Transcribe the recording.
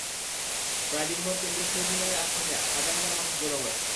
প্রায় দিনভর কেন্দ্রীয় শহীদ মিনারের আশপাশে হাজার হাজার মানুষ জড়ো হয়।